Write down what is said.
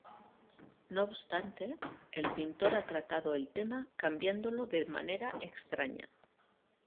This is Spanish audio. No obstante, el pintor ha tratado el tema cambiándolo de manera extraña.